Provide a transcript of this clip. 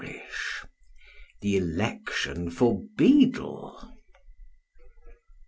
THE ELECTION FOR BEADLE.